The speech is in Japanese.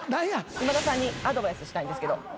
今田さんにアドバイスしたいんですけど。